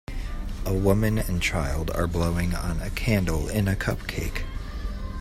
A woman and child are blowing on a candle in a cupcake.